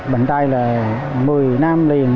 bình tay là một mươi năm liền